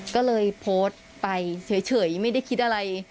ก็เลยโพสต์ไปเฉยไม่ได้คิดอะไร